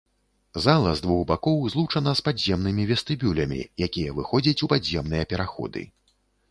Зала з двух бакоў злучана з падземнымі вестыбюлямі, якія выходзяць ў падземныя пераходы.